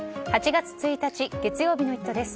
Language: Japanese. ８月１日月曜日の「イット！」です。